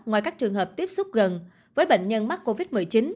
ngoài các trường hợp tiếp xúc gần với bệnh nhân mắc covid một mươi chín